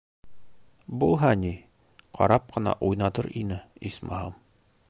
Булһа ни, ҡарап ҡына уйнатыр ине, исмаһам.